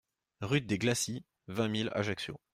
Rue des Glaçis, vingt mille Ajaccio